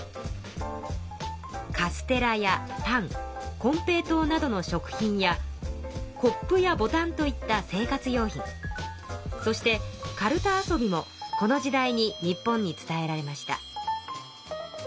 カステラやパンコンペイトウなどの食品やコップやボタンといった生活用品そしてカルタ遊びもこの時代に日本に伝えられました。